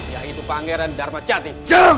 yaitu pangeran dharma jati